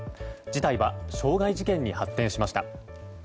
事態は傷害事件に発展しました。